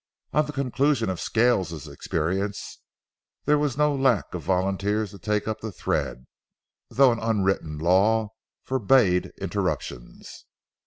On the conclusion of Scales's experience, there was no lack of volunteers to take up the thread, though an unwritten law forbade interruptions.